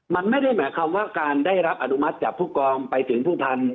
มันไม่ได้หมายความว่าการได้รับอนุมัติจากผู้กองไปถึงผู้พันธุ์